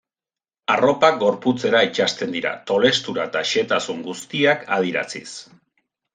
Arropak gorputzera itsasten dira, tolestura eta xehetasun guztiak adieraziz.